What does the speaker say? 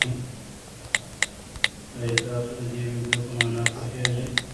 ایا تاسي د دې ویډیو په مانا پوهېږئ؟